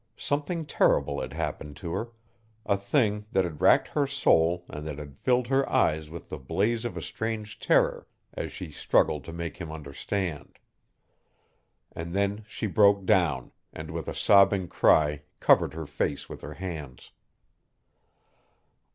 Something terrible had happened to her a thing that had racked her soul and that filled her eyes with the blaze of a strange terror as she struggled to make him understand. And then she broke down, and with a sobbing cry covered her face with her hands.